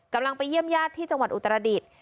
กำลังไปเยี่ยมญาติที่จังหวัดอุตรดิษฐ์